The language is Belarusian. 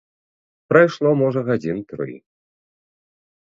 Прайшло можа гадзін тры.